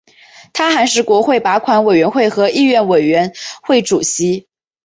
他还是国会拨款委员会和议院委员会主席。